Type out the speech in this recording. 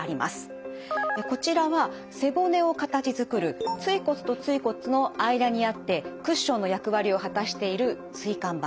こちらは背骨を形づくる椎骨と椎骨の間にあってクッションの役割を果たしている椎間板。